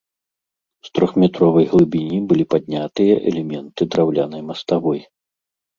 З трохметровай глыбіні былі паднятыя элементы драўлянай маставой.